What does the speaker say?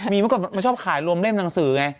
มีเมื่อก่อนมันชอบขายรวมเล่มหนังสือไง